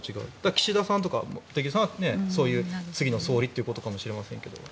岸田さんとか茂木さんは次の総理ということかもしれませんが。